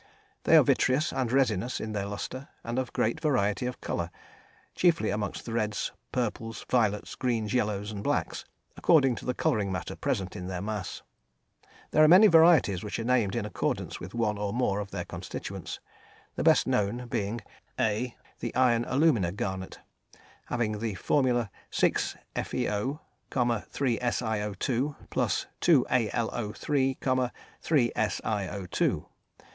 They are vitreous and resinous in their lustre and of great variety of colour, chiefly amongst reds, purples, violets, greens, yellows and blacks, according to the colouring matter present in their mass. There are many varieties which are named in accordance with one or more of their constituents, the best known being: (A) The iron alumina garnet, having the formula 6FeO, 3SiO_ + 2Al_O_, 3SiO_.